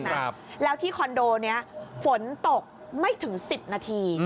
แล้วที่คอนโดนี้ฝนตกไม่ถึงสิบนาที